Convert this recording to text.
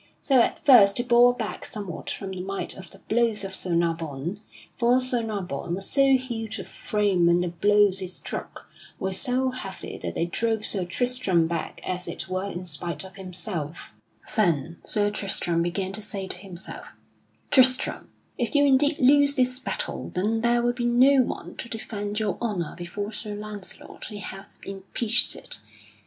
So at first he bore back somewhat from the might of the blows of Sir Nabon. For Sir Nabon was so huge of frame and the blows he struck were so heavy that they drove Sir Tristram back as it were in spite of himself. [Sidenote: Sir Tristram slays Sir Nabon] Then Sir Tristram began to say to himself: "Tristram, if you indeed lose this battle, then there will be no one to defend your honor before Sir Launcelot who hath impeached it."